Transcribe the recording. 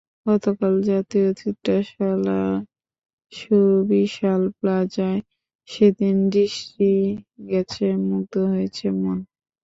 গতকাল জাতীয় চিত্রশালার সুবিশাল প্লাজায় যেদিকে দৃষ্টি গেছে, মুগ্ধ হয়েছে মন।